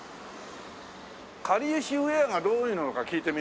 かりゆしウェアがどういうのなのか聞いてみようか。